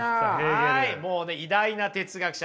はいもうね偉大な哲学者。